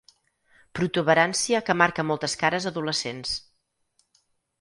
Protuberància que marca moltes cares adolescents.